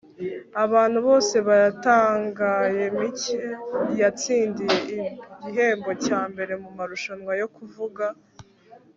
abantu bose baratangaye, mike yatsindiye igihembo cya mbere mumarushanwa yo kuvuga